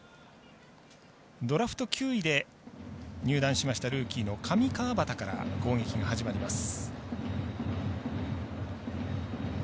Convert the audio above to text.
ドラフト９位で入団したルーキーの上川畑から攻撃が始まります。